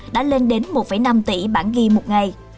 đã lên đến một năm tỷ bản ghi một ngày